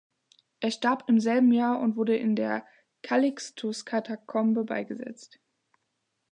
Er starb im selben Jahr und wurde in der Calixtus-Katakombe beigesetzt.